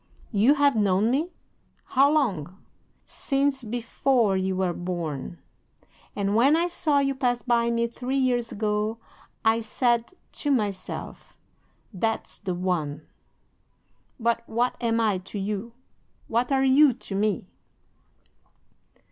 "'"You have known me? How long?" "'"Since before you were born! And when I saw you pass by me, three years ago, I said to myself, THAT'S THE ONE." "'"But what am I to you? What are you to me?"